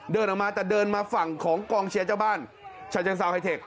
เดินออกมาแต่เดินมาฝั่งของกองเชียร์เจ้าบ้านชาเชิงซาวไฮเทค